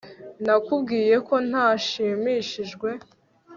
nakubwiye ko ntashimishijwe